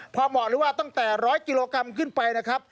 พอเหมาะเลยว่าตั้งแต่๑๐๐กิโลกรัมขึ้นไปนะครับ